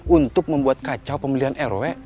untuk membuat kacau pemilihan rw